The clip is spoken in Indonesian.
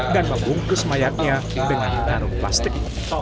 dan membungkus mayatnya dengan karun plastik